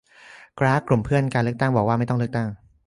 กร๊าก - กลุ่มเพื่อการเลือกตั้ง บอกว่าไม่ต้องเลือกตั้ง